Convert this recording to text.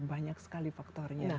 banyak sekali faktornya